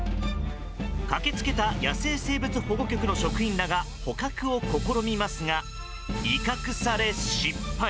駆けつけた野生生物保護局の職員らが捕獲を試みますが威嚇され失敗。